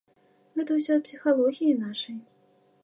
Гэта ўсё ад псіхалогіі нашай.